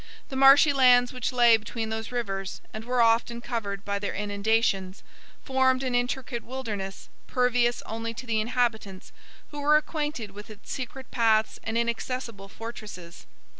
The marshy lands which lay between those rivers, and were often covered by their inundations, formed an intricate wilderness, pervious only to the inhabitants, who were acquainted with its secret paths and inaccessible fortresses.